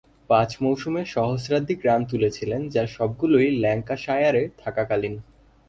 পাঁচ মৌসুমে সহস্রাধিক রান তুলেছিলেন যার সবগুলোই ল্যাঙ্কাশায়ারে থাকাকালীন।